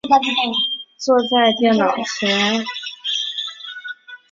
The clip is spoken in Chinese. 坐在家中的电脑前